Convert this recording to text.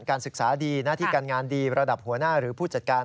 การศึกษาดีหน้าที่การงานดีระดับหัวหน้าหรือผู้จัดการ